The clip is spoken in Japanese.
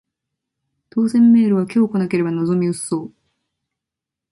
当せんメールは今日来なければ望み薄そう